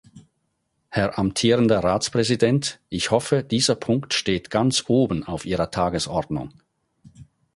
Herr amtierender Ratspräsident, ich hoffe, dieser Punkt steht ganz oben auf Ihrer Tagesordnung.